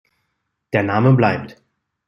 Der Name bleibt.